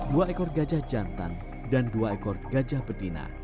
dua ekor gajah jantan dan dua ekor gajah betina